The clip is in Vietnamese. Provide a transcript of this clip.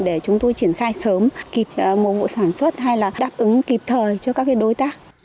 để chúng tôi triển khai sớm